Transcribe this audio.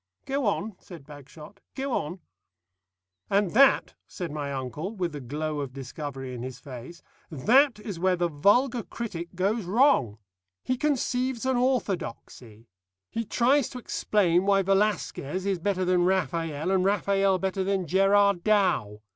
"Go on," said Bagshot, "go on." "And that," said my uncle, with the glow of discovery in his face, "that is where the vulgar critic goes wrong. He conceives an orthodoxy. He tries to explain why Velasquez is better than Raphael and Raphael better than Gerard Dow.